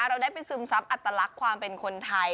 เราได้ไปซึมซับอัตลักษณ์ความเป็นคนไทย